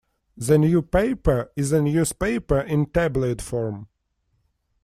"The New Paper" is a newspaper in tabloid form.